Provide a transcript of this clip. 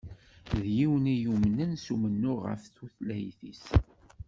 D yiwen i yumnen s umennuɣ ɣef tutlayt-is.